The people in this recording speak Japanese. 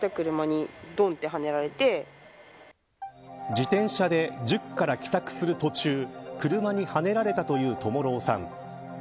自転車で塾から帰宅する途中車にはねられたという和朗さん